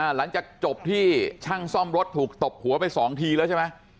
หลังจากจบที่ช่างซ่อมรถถูกตบหัวไป๒ทีแล้วใช่ไหม